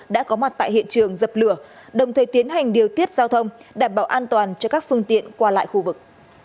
đã có mặt tại hiện trường dập lửa đồng thời tiến hành điều tiết giao thông đảm bảo an toàn cho các phương tiện qua lại khu vực